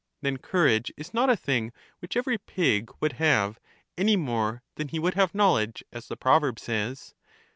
Then courage is not a thing which every pig would have, any more than he would have knowledge, as the proverb says?